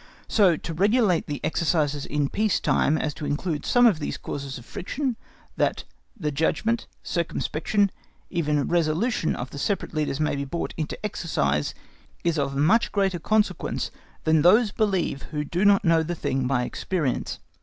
So to regulate the exercises in peace time as to include some of these causes of friction, that the judgment, circumspection, even resolution of the separate leaders may be brought into exercise, is of much greater consequence than those believe who do not know the thing by experience.